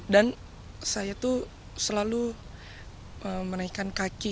dan saya itu selalu menaikkan kaki